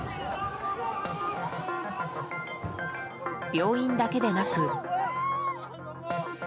病院だけでなく。